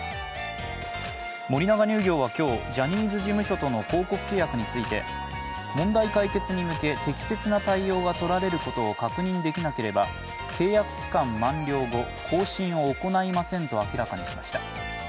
森永乳業は今日、ジャニーズ事務所との広告契約について問題解決に向け、適切な対応がとられることを確認できなければ、契約期間満了後、更新を行いませんと明らかにしました。